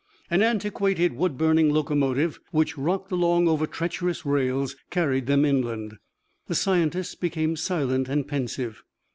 An antiquated, wood burning locomotive, which rocked along over treacherous rails, carried them inland. The scientists became silent and pensive.